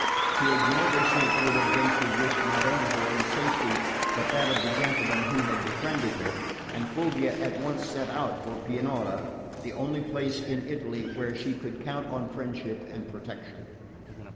To ignore this hint would have been to risk not only her own safety but that of the gentlemen who had befriended her; and Fulvia at once set out for Pianura, the only place in Italy where she could count on friendship and protection.